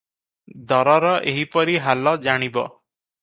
ଦରର ଏହିପରି ହାଲ ଜାଣିବ ।